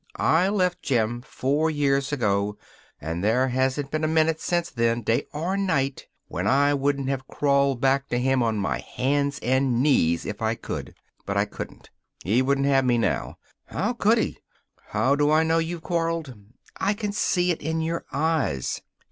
I left Jim four years ago, and there hasn't been a minute since then, day or night, when I wouldn't have crawled back to him on my hands and knees if I could. But I couldn't. He wouldn't have me now. How could he? How do I know you've quarreled? I can see it in your eyes.